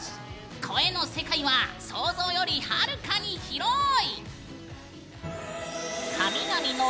「声の世界は想像より、はるかに広い」！